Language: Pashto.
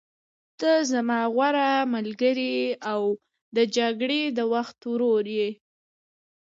ته زما غوره ملګری او د جګړې د وخت ورور یې.